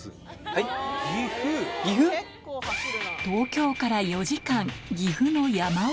東京から４時間岐阜の山奥